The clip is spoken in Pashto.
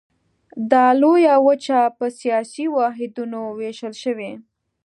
دا لویه وچه په سیاسي واحدونو ویشل شوې.